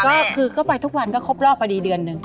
ก็คือก็ไปทุกวันก็ครบรอบพอดีเดือนหนึ่ง